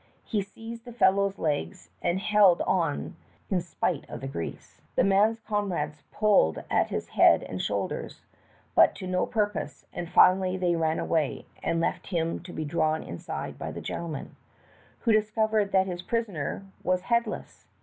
He seized the fellow's legs and held on in spite of the grease. The man's comrades pulled at his head and shoulders, but to no purpose, and finally they ran away and left him to be drawn inside by the gentleman, who discovered that his prisoner was headless.